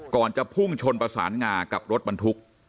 จะพุ่งชนประสานงากับรถบรรทุก